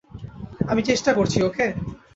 আমি চেষ্টা করছি, ওকে?